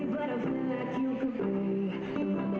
สวัสดีครับ